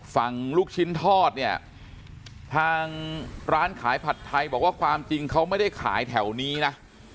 ลูกชิ้นทอดเนี่ยทางร้านขายผัดไทยบอกว่าความจริงเขาไม่ได้ขายแถวนี้นะ